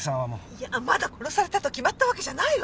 いやまだ殺されたと決まったわけじゃないわよ！